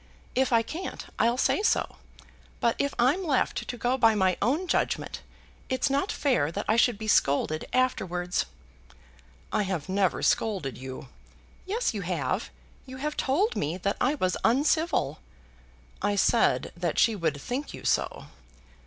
If I can't I'll say so. But if I'm left to go by my own judgement, it's not fair that I should be scolded afterwards." "I have never scolded you." "Yes, you have. You have told me that I was uncivil." "I said that she would think you so."